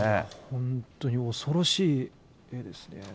本当に恐ろしいですね。